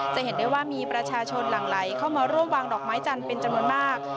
จะเห็นได้ว่ามีประชาชนหลั่งไหลเข้ามาร่วมวางดอกไม้จันทร์เป็นจำนวนมาก